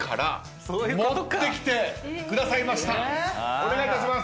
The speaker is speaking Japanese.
お願いいたします。